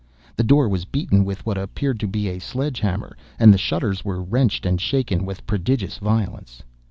The door was beaten with what appeared to be a sledge hammer, and the shutters were wrenched and shaken with prodigious violence.